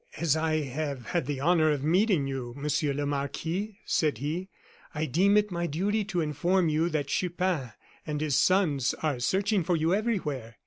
"As I have had the honor of meeting you, Monsieur le Marquis," said he, "I deem it my duty to inform you that Chupin and his sons are searching for you everywhere.